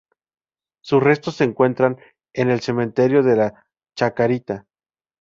Sus restos se encuentran en el Cementerio de la Chacarita.